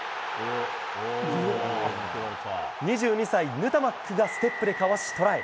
２２歳、ヌタマックがステップでかわしトライ。